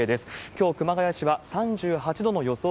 きょう、熊谷市は３８度の予想